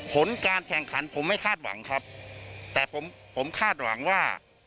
ผลการแข่งขันผมไม่คาดหวังครับแต่ผมผมคาดหวังว่า